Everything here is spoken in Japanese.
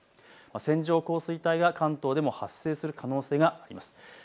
線状降水帯が関東でも発生する可能性があります。